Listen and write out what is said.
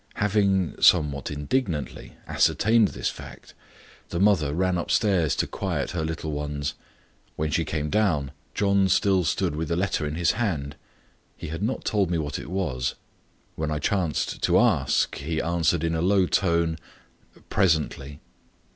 Having somewhat indignantly ascertained this fact, the mother ran upstairs to quiet her little ones. When she came down, John still stood with the letter in his hand. He had not told me what it was; when I chanced to ask he answered in a low tone "Presently!"